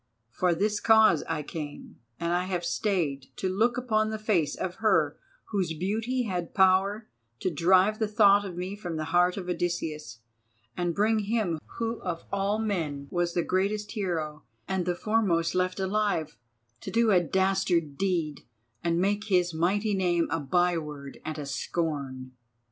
For this cause I came, and I have stayed to look upon the face of her whose beauty had power to drive the thought of me from the heart of Odysseus, and bring him, who of all men was the greatest hero and the foremost left alive, to do a dastard deed and make his mighty name a byword and a scorn.